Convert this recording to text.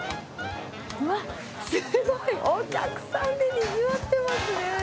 うわ、すごい、お客さんでにぎわってますね。